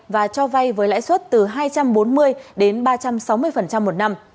và cho vay với lãi suất từ hai trăm bốn mươi đến ba trăm sáu mươi một năm